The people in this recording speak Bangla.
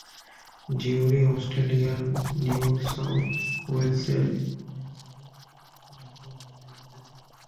জিওরি অস্ট্রেলিয়ার নিউ সাউথ ওয়েলসের অরেঞ্জ এবং ডাবলোর মধ্যে অবস্থিত।